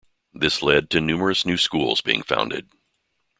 This led to numerous new schools being founded.